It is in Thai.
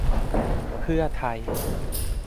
เพื่อไทย